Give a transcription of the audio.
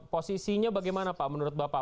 posisinya bagaimana pak menurut bapak